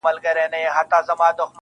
د زړه ساعت كي مي پوره يوه بجه ده گراني .